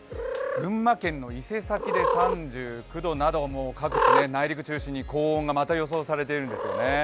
群馬県の伊勢崎で３９度など各地、内陸中心に高温がまた予想されてるんですよね。